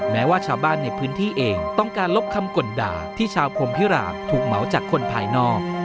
แม้ว่าชาวบ้านในพื้นที่เองต้องการลบคำก่นด่าที่ชาวพรมพิราบถูกเหมาจากคนภายนอก